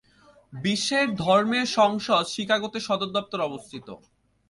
বিশ্বের ধর্মের সংসদ শিকাগোতে সদর দপ্তর অবস্থিত।